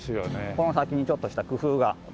この先にちょっとした工夫が。